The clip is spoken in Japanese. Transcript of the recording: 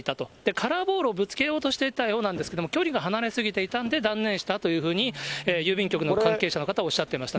カラーボールをぶつけようとしていたそうなんですけれども、距離が離れすぎていたんで、断念したというふうに郵便局の関係者の方おっしゃっていましたね。